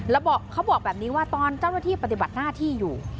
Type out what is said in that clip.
แล้วเขาบอกแบบนี้ว่าตอนเจ้าหน้าที่ปฏิบัติหน้าที่อยู่